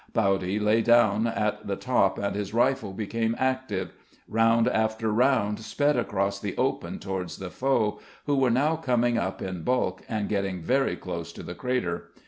Bowdy lay down at the top, and his rifle became active. Round after round sped across the open towards the foe, who were now coming up in bulk and getting very close to the crater.